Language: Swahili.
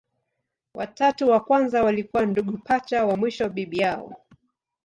Watatu wa kwanza walikuwa ndugu pacha, wa mwisho bibi yao.